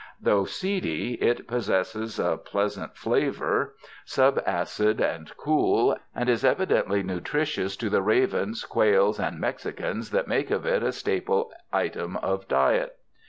Though seedy, it possesses a pleasant flavor, sub 181 UNDER THE SKY IN CALIFORNIA acid and cool, and is evidently nutritious to the ravens, quails and Mexicans that make of it a staple item of diet.